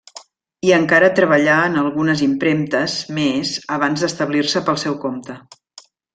I encara treballà en algunes impremtes més abans d'establir-se pel seu compte.